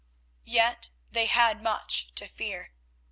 Yet they had much to fear.